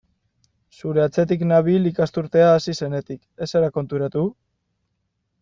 Zure atzetik nabil ikasturtea hasi zenetik, ez zara konturatu?